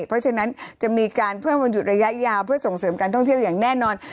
เพราะฉะนั้นจะมีการเพิ่มวันหยุดระยะยาวเพื่อส่งเสริมการท่องเที่ยวอย่างแน่นอน